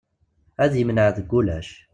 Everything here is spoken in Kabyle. Ad yemneɛ deg ulac.